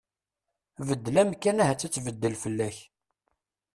Beddel amkan ahat ad tbeddel fell-ak.